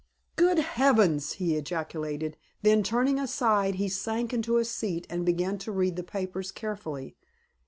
"Good heavens!" he ejaculated; then turning aside he sank into a seat and began to read the papers carefully.